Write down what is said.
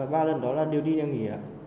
và ba lần đó là điều đi đêm nghỉ